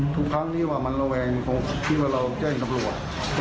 ทุกครั้งที่ว่ามันระแวงคงคิดว่าเราแจ้งตำรวจ